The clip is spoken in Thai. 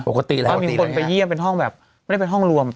ปกติแล้วถ้ามีคนไปเยี่ยมเป็นห้องแบบไม่ได้เป็นห้องรวม